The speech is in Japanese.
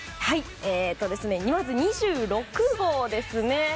まず２６号ですね。